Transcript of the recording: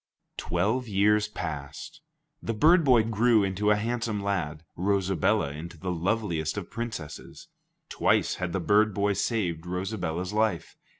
Twelve years passed. The bird boy grew into a handsome lad; Rosabella into the loveliest of princesses. Twice had the bird boy saved Rosabella's life.